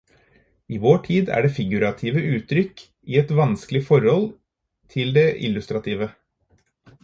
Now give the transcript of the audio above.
I vår tid er det figurative uttrykk i et vanskelig forhold til det illustrative.